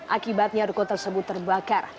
akibatnya ruko tersebut terbakar